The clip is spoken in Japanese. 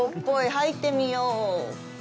入ってみよう。